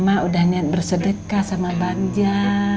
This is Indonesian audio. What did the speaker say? mak udah niat bersedekah sama bagja